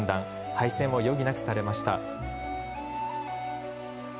廃線を余儀なくされました。